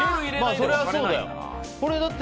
それはそうだよ。